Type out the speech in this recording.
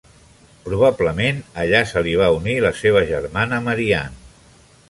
Probablement allà se li va unir la seva germana Marianne.